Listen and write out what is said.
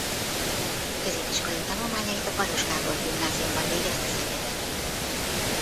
Középiskolai tanulmányait a Baross Gábor Gimnáziumban végezte Szegeden.